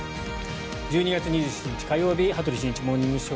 １２月２７日、火曜日「羽鳥慎一モーニングショー」。